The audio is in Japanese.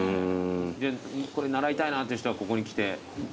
これ習いたいなっていう人はここに来てちょっと一緒に。